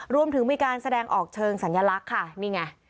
รวมถึงมีการแสดงออกเชิงสัญลักษณ์ค่ะนี่ไง